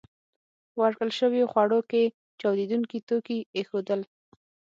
په ورکړل شويو خوړو کې چاودېدونکي توکي ایښودل